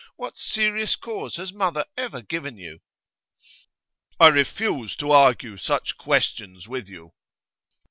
What serious cause has mother ever given you?' 'I refuse to argue such questions with you.